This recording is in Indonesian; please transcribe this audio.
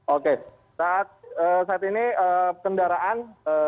oke saat ini kendaraan